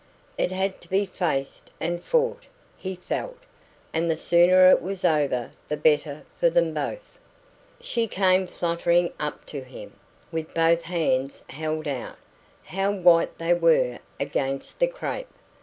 It had to be faced and fought, he felt, and the sooner it was over the better for them both. She came fluttering up to him, with both hands held out. How white they were against the crape!